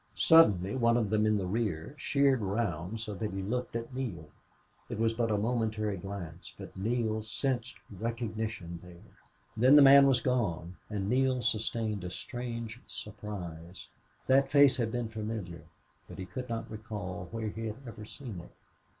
Suddenly one of them in the rear sheered round so that he looked at Neale. It was but a momentary glance, but Neale sensed recognition there. Then the man was gone and Neale sustained a strange surprise. That face had been familiar, but he could not recall where he had ever seen it.